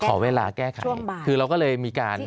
ขอเวลาแก้ไขคือเราก็เลยมีการ